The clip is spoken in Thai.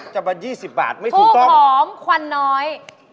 จะเบ้อ๒๐บาทไม่ถูกต้องทูบหอมควันน้อย